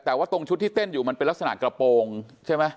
แต่ว่าตรงชุดที่เต้นอยู่มันเป็นลักษณะกระโปรงใช่ไหม